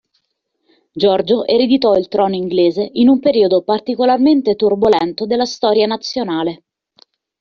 Giorgio ereditò il trono inglese in un periodo particolarmente turbolento della storia nazionale.